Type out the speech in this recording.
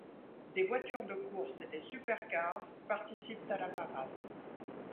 Des voitures de course et des supercars participent à la parade.